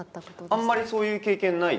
あんまりそういう経験ない？